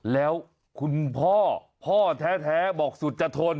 แล้วคุณพ่อพ่อแท้บอกสุดจะทน